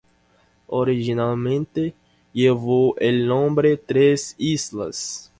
Originalmente llevó el nombre de "Tres Islas".